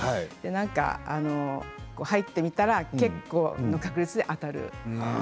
で何か入ってみたら結構な確率で当たる。